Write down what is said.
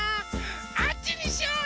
あっちにしよう！